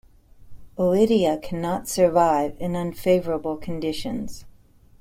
Oidia cannot survive in unfavourable conditions.